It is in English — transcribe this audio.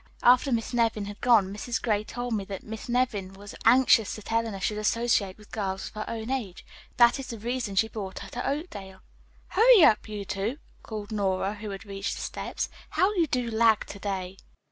After Miss Nevin had gone, Mrs. Gray told me that Miss Nevin was anxious that Eleanor should associate with girls of her own age. That is the reason she brought her to Oakdale." "Hurry up, you two," called Nora, who had reached the steps. "How you do lag to day."